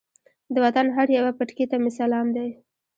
د وطن هر یوه پټکي ته مې سلام دی.